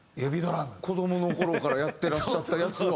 子どもの頃からやってらっしゃったやつは。